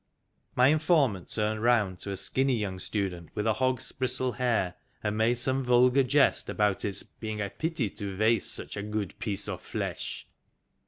My informant turned round to a skinny young student with hog's bristle hair, and made some vulgar jest about its " being a pity to waste such a good piece of flesh."